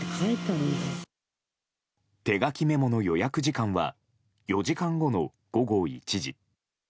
手書きメモの予約時間は４時間後の午後１時。